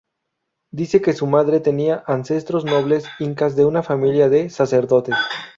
Dicen que su madre tenía ancestros nobles incas de una familia de sacerdotes.